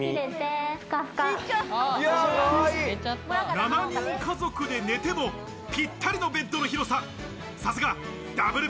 ７人家族で寝ても、ぴったりのベッドの広さ。